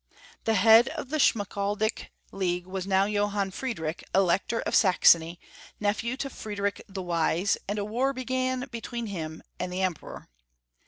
The head of the Schmalkaldic League was now Joliann Friedrich, Elector of Saxony, nephew to Friedrich the Wise, and a war began between him and the Emperor.